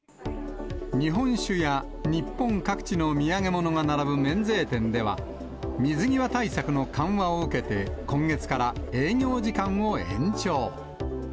日本酒や日本各地の土産物が並ぶ免税店では、水際対策の緩和を受けて、今月から営業時間を延長。